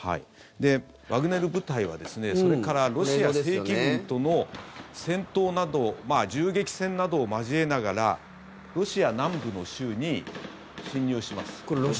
ワグネル部隊はそれからロシア正規軍との戦闘など銃撃戦などを交えながらロシア南部の州に侵入します。